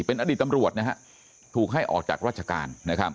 เป็นอดีตตำรวจนะฮะถูกให้ออกจากราชการ